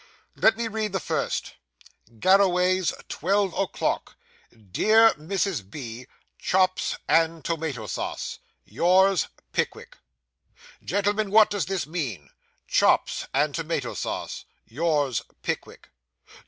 Let me read the first: "Garraways, twelve o'clock. Dear Mrs. B. Chops and tomato sauce. Yours, Pickwick." Gentlemen, what does this mean? Chops and tomato sauce. Yours, Pickwick!